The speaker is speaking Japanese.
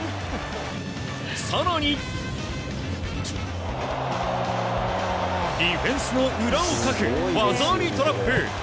更に、ディフェンスの裏をかく技ありトラップ。